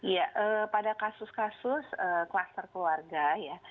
ya pada kasus kasus kluster keluarga ya